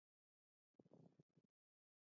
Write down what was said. نتیجه ولې مهمه ده؟